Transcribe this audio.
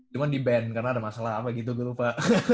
cuman di ban karena ada masalah apa gitu gua lupa